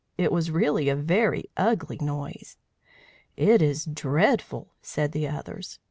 It was really a very ugly noise. "It is dreadful," said the others.